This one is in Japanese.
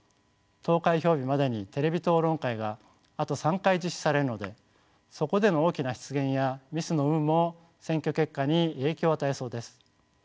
投開票日までにテレビ討論会があと３回実施されるのでそこでの大きな失言やミスの有無も選挙結果に影響を与えそうです。